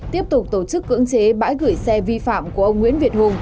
tiếp tục tổ chức cưỡng chế bãi gửi xe vi phạm của ông nguyễn việt hùng